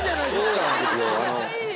そうなんですよ。